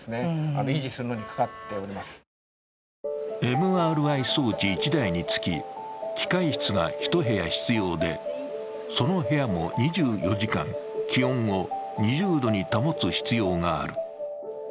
ＭＲＩ装置１台につき機械室が１部屋必要でその部屋も２４時間、気温を２０度に保つ必要がある。